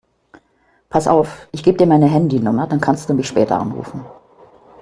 Pass auf, ich gebe dir meine Handynummer, dann kannst du mich später anrufen.